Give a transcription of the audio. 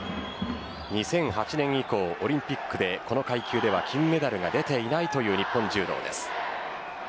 ２００８年以降オリンピックでこの階級では金メダルが出ていないという日本柔道です。